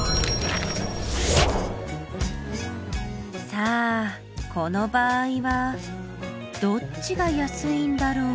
さあこの場合はどっちが安いんだろう？